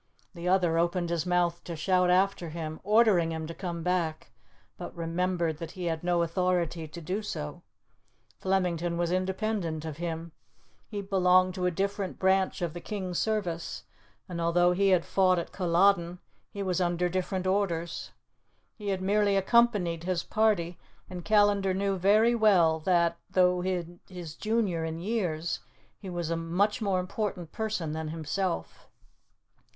The other opened his mouth to shout after him, ordering him to come back, but remembered that he had no authority to do so. Flemington was independent of him; he belonged to a different branch of the King's service, and although he had fought at Culloden he was under different orders. He had merely accompanied his party, and Callandar knew very well that, though his junior in years, he was a much more important person than himself.